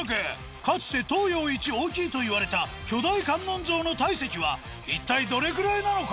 かつて東洋いち大きいといわれた巨大観音像の体積は一体どれぐらいなのか？